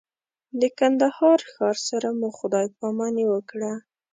د کندهار ښار سره مو خدای پاماني وکړه.